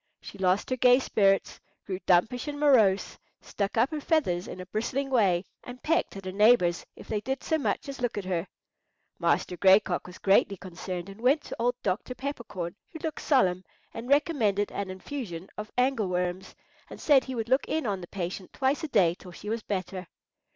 She lost her gay spirits, grew dumpish and morose, stuck up her feathers in a bristling way, and pecked at her neighbours if they did so much as look at her. Master Gray Cock was greatly concerned, and went to old Dr. Peppercorn, who looked solemn, and recommended an infusion of angle worms, and said he would look in on the patient twice a day till she was better.